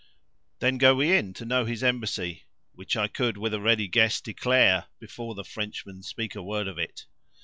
"Then go we in, to know his embassy; Which I could, with ready guess, declare, Before the Frenchmen speak a word of it."